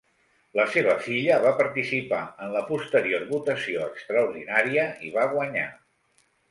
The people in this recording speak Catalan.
La seva filla va participar en la posterior votació extraordinària i va guanyar.